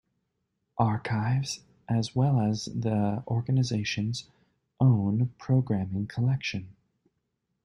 Archives, as well as the organization's own programming collection.